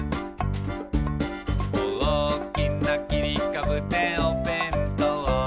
「おおきなきりかぶでおべんとう」